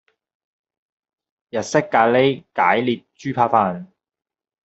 日式咖喱解列豬扒飯